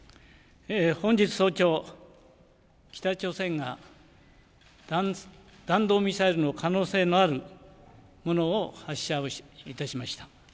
本日早朝、北朝鮮が弾道ミサイルの可能性のあるものを発射をいたしました。